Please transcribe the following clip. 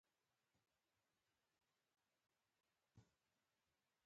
خر د هغه لپاره ډیر کار کاوه.